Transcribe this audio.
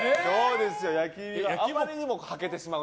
あまりにも買ってしまう。